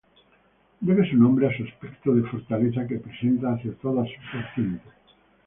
Debe su nombre a su aspecto de fortaleza que presenta hacia todas sus vertientes.